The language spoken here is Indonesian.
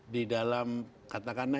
di dalam katakanlah